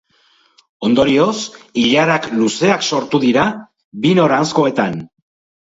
Ondorioz, ilarak luzeak sortu dira bi noranzkoetan.